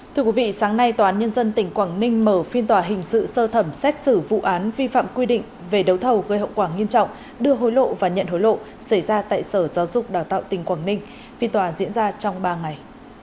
thưa quý vị sáng nay tòa án nhân dân tỉnh quảng ninh mở phiên tòa hình sự sơ thẩm xét xử vụ án vi phạm quy định về đấu thầu gây hậu quả nghiêm trọng đưa hối lộ và nhận hối lộ xảy ra tại sở giáo dục đào tạo tỉnh quảng ninh phiên tòa diễn ra trong ba ngày